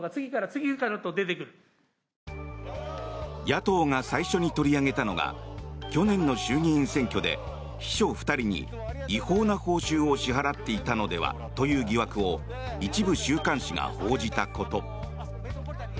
野党が最初に取り上げたのが去年の衆議院選挙で秘書２人に違法な報酬を支払っていたのではという疑惑を一部週刊誌が報じたこと。